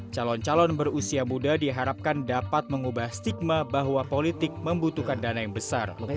calon calon berusia muda diharapkan dapat mengubah stigma bahwa politik membutuhkan dana yang besar